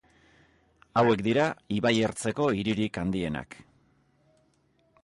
Hauek dira ibai ertzeko hiririk handienak.